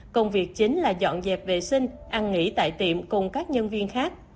công việc chính là dọn dẹp vệ sinh ăn nghỉ tại tiệm cùng các nhân viên khác